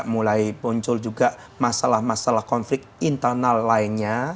mulai muncul juga masalah masalah konflik internal lainnya